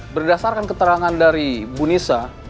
berdasarkan keterangan dari bu nisa